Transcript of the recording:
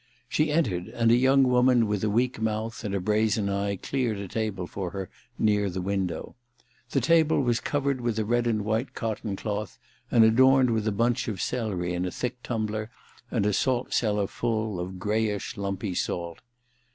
She entered, and a young woman with a weak mouth and a brazen eye cleared a table for her near the window. The table was covered with a red and white cotton cloth and adorned with a bunch of celery in a thick tumbler and a salt cellar full of grayish lumpy salt.